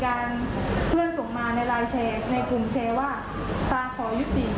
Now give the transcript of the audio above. ก็คือถือว่าทางพลาดเลยค่ะพี่เพราะว่าเมื่อวานเลยที่จุดประทูมา